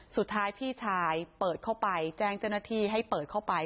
สุดท้ายพี่ชายเปิดเข้าไปแจ้งเจ้าหน้าที่ให้เปิดเข้าไป